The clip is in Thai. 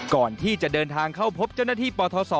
ก่อนที่จะเดินทางเข้าพบเจ้าหน้าที่ปทศ